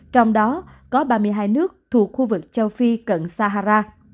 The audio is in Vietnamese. trong đó có ba mươi hai nước thuộc khu vực châu phi cận sahara